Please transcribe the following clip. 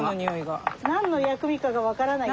何の薬味かが分からない。